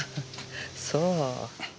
そう。